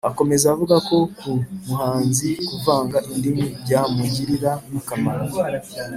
akomeza avuga ko ku muhanzi kuvanga indimi byamugirira akamaro